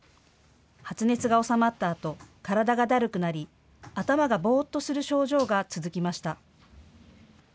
発熱が治まったあと体がだるくなり、頭がぼーっとする症状が続きました。